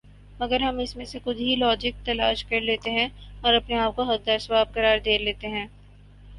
مگر ہم اس میں سے خود ہی لاجک تلاش کرلیتےہیں اور اپنے آپ کو حقدار ثواب قرار دے لیتےہیں